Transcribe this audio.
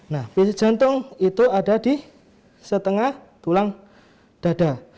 nah fisik jantung itu ada di setengah tulang dada